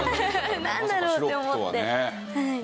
なんだろうって思って。